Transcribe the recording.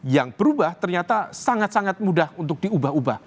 yang berubah ternyata sangat sangat mudah untuk diubah ubah